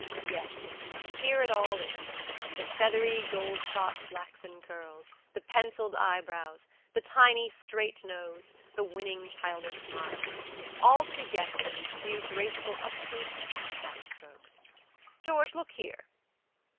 Yes, here it all isthe feathery, gold shot, flaxen curls, the penciled eyebrows, the tiny, straight nose, the winning, childish smile; all to be guessed in these few graceful up strokes and down strokes. George, look here!"